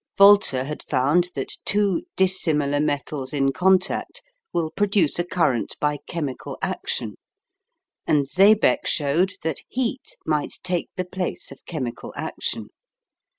Volta had found that two dissimilar metals in contact will produce a current by chemical action, and Seebeck showed that heat might take the place of chemical action.